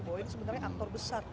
bahwa ini sebenarnya aktor besar